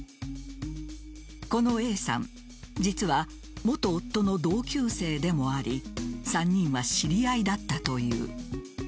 このＡさん実は元夫の同級生でもあり３人は知り合いだったという。